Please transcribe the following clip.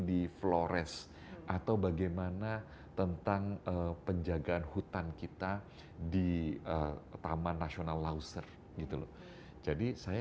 di flores atau bagaimana tentang penjagaan hutan kita di taman nasional lauser gitu loh jadi saya